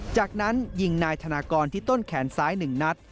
จากนั้นยิงนายธนากรที่ต้นแขนซ้าย๑นัด